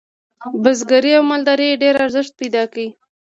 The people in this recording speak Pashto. بزګرۍ او مالدارۍ ډیر ارزښت پیدا کړ.